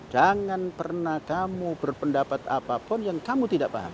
jangan pernah kamu berpendapat apapun yang kamu tidak paham